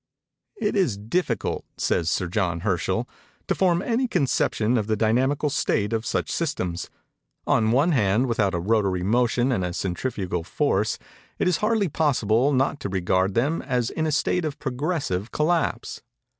"It is difficult," says Sir John Herschell, "to form any conception of the dynamical state of such systems. On one hand, without a rotary motion and a centrifugal force, it is hardly possible not to regard them as in a state of progressive collapse.